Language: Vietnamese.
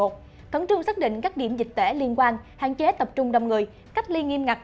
khẩn trương xác định các điểm dịch tễ liên quan hạn chế tập trung đông người cách ly nghiêm ngặt